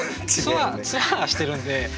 ツアーしてるんで。